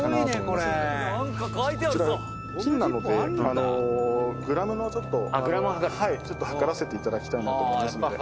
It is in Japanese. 「こちら金なのでグラムのちょっと量らせていただきたいなと思いますので」